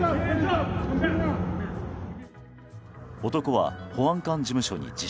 男は、保安官事務所に自首。